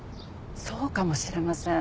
そうかもしれません。